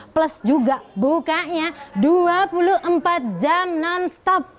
plus juga bukanya dua puluh empat jam non stop